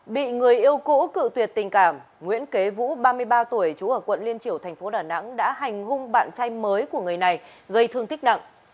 bị người yêu cũ cựu tuyệt tình cảm nguyễn kế vũ ba mươi ba tuổi trú ở quận liên triểu thành phố đà nẵng đã hành hung bạn chay mới của người này gây thương tích nặng